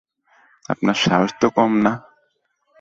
আপনার সাহস তো কম না!